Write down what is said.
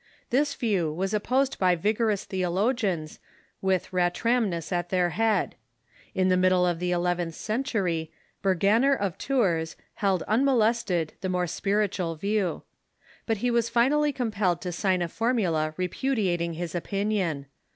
This view was opposed by vigorous theologians, with Ratramnus at their head. In the middle of the eleventh cen tury Berengar of Tours held unmolested the more spiritual 124 THE MEDIAEVAL CHURCH view. But he was finally compelled to sign a formula repudi ating his opinion.